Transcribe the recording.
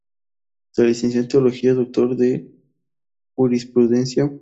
Se licenció en Teología y Doctor en Jurisprudencia, ejerciendo como Canónigo de Burgos.